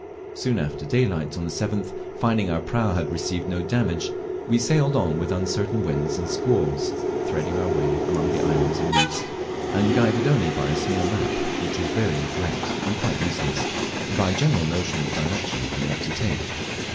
Soon after daylight on the 7th, finding our prau had received no damage, we sailed on with uncertain winds and squalls, threading our way among islands and reefs, and guided only by a small map, which was very incorrect and quite useless, and by a general notion of the direction we ought to take.